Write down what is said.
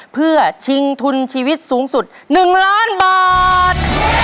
เพื่อชิงทุนชีวิตสูงสุด๑ล้านบาท